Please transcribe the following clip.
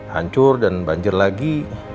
hancur dan banjir lagi